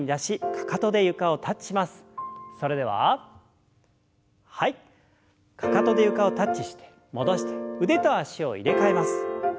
かかとで床をタッチして戻して腕と脚を入れ替えます。